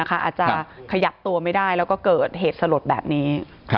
ขยับตัวไม่ได้แล้วก็เกิดเหตุสลดแบบนี้